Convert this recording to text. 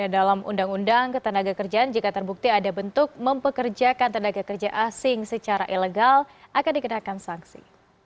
dalam undang undang ketenaga kerjaan jika terbukti ada bentuk mempekerjakan tenaga kerja asing secara ilegal akan dikenakan sanksi